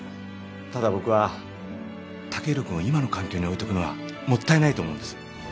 ただ僕は剛洋君を今の環境に置いとくのはもったいないと思うんです。